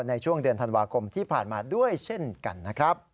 ในช่วงเดือนธันวาคมที่ผ่านมาด้วยเช่นกันนะครับ